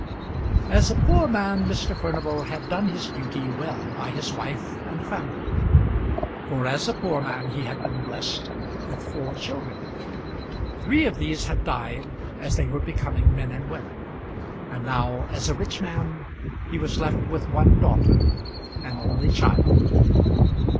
As a poor man Mr. Furnival had done his duty well by his wife and family, for as a poor man he had been blessed with four children. Three of these had died as they were becoming men and women, and now, as a rich man, he was left with one daughter, an only child.